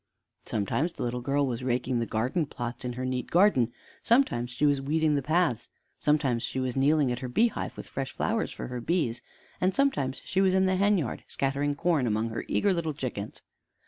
Sometimes the little girl was raking the garden plots in her neat garden; sometimes she was weeding the paths; sometimes she was kneeling at her beehive with fresh flowers for her bees, and sometimes she was in the hen yard scattering corn among the eager little chickens.